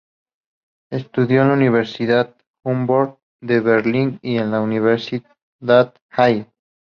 Estudió en la Universidad Humboldt de Berlín y en la Universidad Halle.